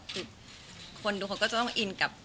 คือคนดูคนก็จะต้องอินกับ